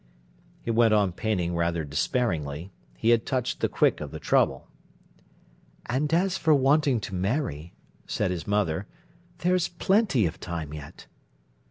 He went on painting rather despairingly; he had touched the quick of the trouble. "And as for wanting to marry," said his mother, "there's plenty of time yet."